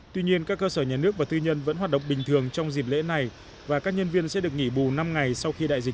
tuy nhiên các cơ sở nhà nước và tư nhân vẫn hoạt động bình thường trong dịp lễ này và các nhân viên sẽ được nghỉ bù năm ngày sau khi đại dịch